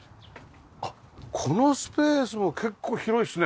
あっこのスペースも結構広いですね。